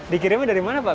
dikirimnya dari mana pak